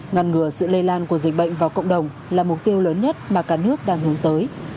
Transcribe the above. ngăn ngừa sự lây lan của dịch bệnh vào cộng đồng là mục tiêu lớn nhất mà cả nước đang hướng tới